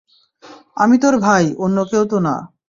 আমি তোর ভাই, অন্য কেউ তো না।